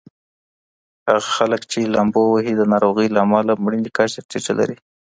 هغه خلک چې لامبو وهي د ناروغۍ له امله مړینې کچه ټیټه لري.